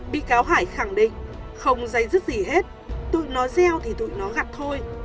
bị cáo hải khẳng định không dây dứt gì hết tụi nó gieo thì tụi nó gặt thôi